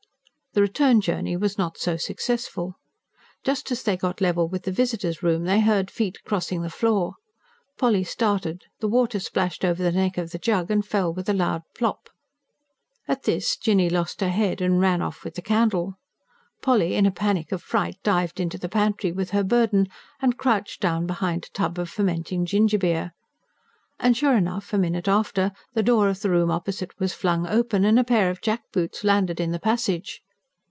The return journey was not so successful. Just as they got level with the visitors' room, they heard feet crossing the floor. Polly started; the water splashed over the neck of the jug, and fell with a loud plop. At this Jinny lost her head and ran off with the candle. Polly, in a panic of fright, dived into the pantry with her burden, and crouched down behind a tub of fermenting gingerbeer. And sure enough, a minute after, the door of the room opposite was flung open and a pair of jackboots landed in the passage.